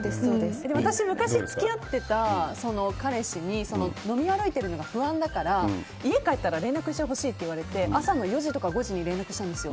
私、昔付き合ってた彼氏に飲み歩いてるのが不安だから家に帰ったら連絡してほしいといわれて朝の４時とか５時に連絡したんですよ。